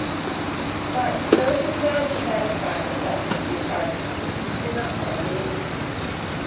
But though she tried to satisfy herself with these arguments, she did not find it easy.